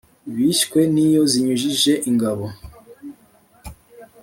bishywe n’iyo zinyujije ingabo